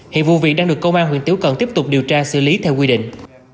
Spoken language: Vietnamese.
hiện vụ việc đang được công an huyện tiếu cần tiếp tục điều tra xử lý theo quy định